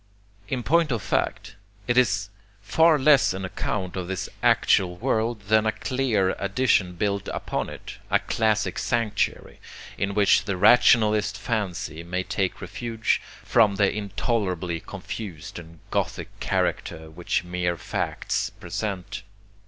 In point of fact it is far less an account of this actual world than a clear addition built upon it, a classic sanctuary in which the rationalist fancy may take refuge from the intolerably confused and gothic character which mere facts present.